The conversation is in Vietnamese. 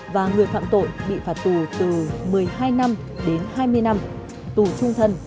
và người phạm tội bị phạt tù từ một mươi hai năm đến hai mươi năm tù trung thân